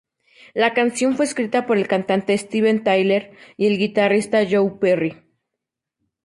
La canción fue escrita por el cantante Steven Tyler y el guitarrista Joe Perry.